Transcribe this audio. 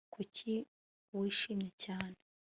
Kuki wishimye cyane